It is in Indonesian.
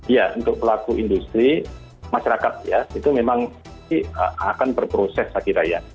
ya untuk pelaku industri masyarakat ya itu memang akan berproses saya kira ya